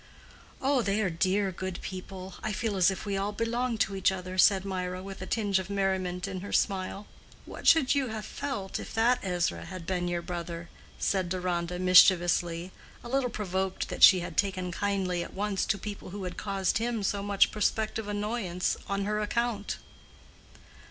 "Oh, they are dear good people; I feel as if we all belonged to each other," said Mirah, with a tinge of merriment in her smile. "What should you have felt if that Ezra had been your brother?" said Deronda, mischievously—a little provoked that she had taken kindly at once to people who had caused him so much prospective annoyance on her account.